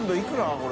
これ。